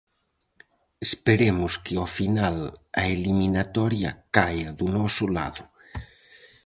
Esperemos que ao final a eliminatoria caia do noso lado.